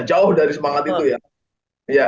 jauh dari semangat itu ya